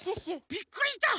びっくりした！